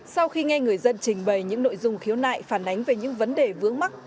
sau khi nghe người dân trình bày những nội dung khiếu nại phản ánh về những vấn đề vướng mắt